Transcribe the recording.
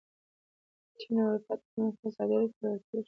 د چین او اروپا ترمنځ اقتصادي اړیکې پیاوړې کېږي.